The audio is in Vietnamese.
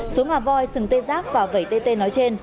số ngả voi sừng tê giác và vẩy tê tê